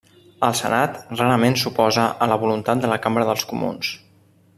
El Senat rarament s'oposa a la voluntat de la Cambra dels Comuns.